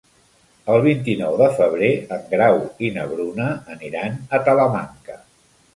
El vint-i-nou de febrer en Grau i na Bruna aniran a Talamanca.